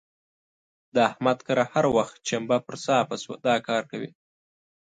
د احمد که هر وخت چمبه پر صافه سوه؛ دا کار کوي.